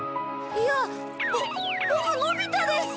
いやボボクのび太です！